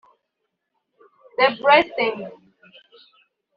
The Blessing